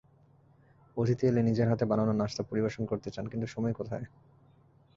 অতিথি এলে নিজের হাতে বানানো নাশতা পরিবেশন করতে চান, কিন্তু সময় কোথায়।